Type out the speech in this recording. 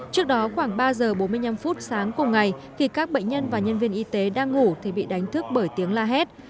trước đó khoảng ba giờ bốn mươi năm phút sáng cùng ngày khi các bệnh nhân và nhân viên y tế đang ngủ thì bị đánh thức bởi tiếng la hét